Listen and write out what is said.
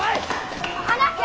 離せ！